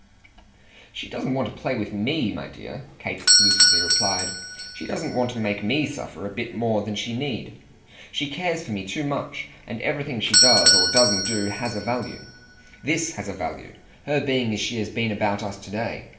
"She doesn't want to play with ME, my dear," Kate lucidly replied; "she doesn't want to make me suffer a bit more than she need. She cares for me too much, and everything she does or doesn't do has a value. THIS has a value her being as she has been about us to day.